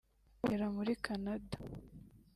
ukorera muri Canada